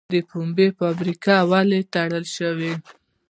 د پنبې فابریکې ولې تړل شوې وې؟